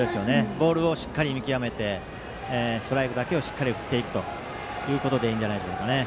ボールをしっかり見極めてストライクだけをしっかり振っていくということでいいんじゃないでしょうかね。